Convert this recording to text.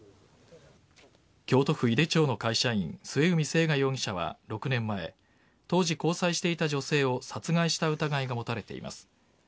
京都府井手町の会社員末海征河容疑者は６年前当時交際していた女性を殺害した疑いが持たれています。